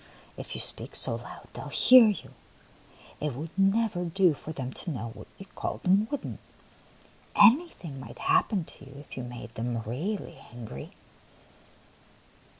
*' If you speak so loud, they will hear you, and it would never do for them to know that you called them wooden. Anything might happen to you if you made them really angry